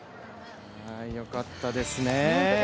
よかったですね。